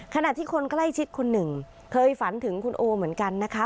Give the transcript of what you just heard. ขณะที่คนใกล้ชิดคนหนึ่งเคยฝันถึงคุณโอเหมือนกันนะคะ